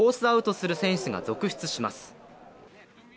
アウトする選手が続出します。